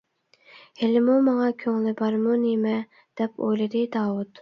«ھېلىمۇ ماڭا كۆڭلى بارمۇ نېمە؟ » دەپ ئويلىدى داۋۇت.